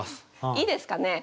いいですかね？